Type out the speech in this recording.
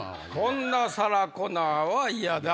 こんなサラ・コナーは嫌だ。